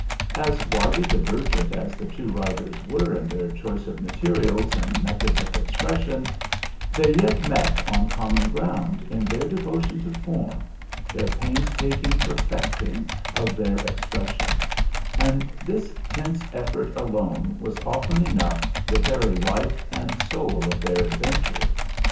As widely divergent as the two writers were in their choice of materials and methods of expression, they yet met on common ground in their devotion to form, their painstaking perfecting of their expressions; and this tense effort alone was often enough the very life and soul of their adventure.